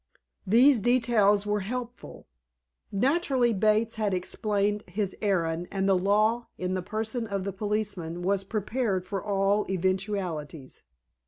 These details were helpful. Naturally, Bates had explained his errand, and the law, in the person of the policeman, was prepared for all eventualities.